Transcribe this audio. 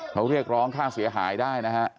เขาเรียกร้องค่าเสียหายได้นะฮะ